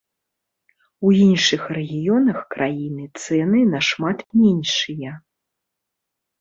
У іншых рэгіёнах краіны цэны нашмат меншыя.